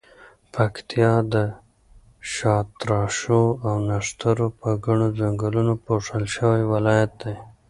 پکتیا د شاتراشو او نښترو په ګڼو ځنګلونو پوښل شوی ولایت دی.